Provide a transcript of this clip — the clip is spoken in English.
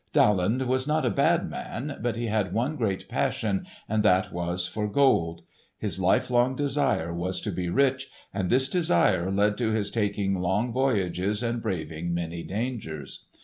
Daland was not a bad man, but he had one great passion, and that was for gold. His life long desire was to be rich, and this desire led to his taking long voyages and braving many dangers.